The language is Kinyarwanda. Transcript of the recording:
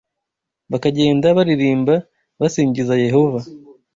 bakagenda baririmba basingiza Yehova.